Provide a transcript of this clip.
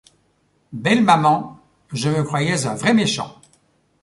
Belle maman Je me croyais un vrai méchant.